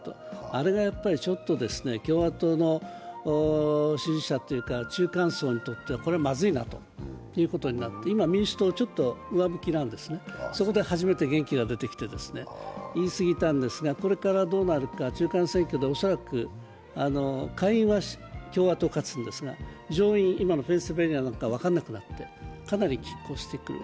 あれがやっぱり共和党の支持者というか中間層にとってはこれはまずいなということになって今、民主党はちょっと上向きなんですね、そこで初めて元気が出てきて、言い過ぎたんですが、これからどうなるか、中間選挙で恐らく下院は共和党が勝つんですが、上院、今のペンシルベニアなんか分からなくなって、かなり拮抗していて。